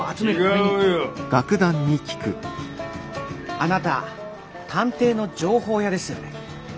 あなた探偵の情報屋ですよね？